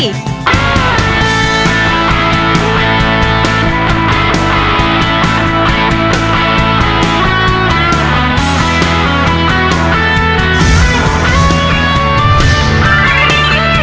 โปรดติดตามตอนต่อไป